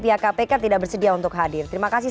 pihak kpk tidak bersedia untuk hadir terima kasih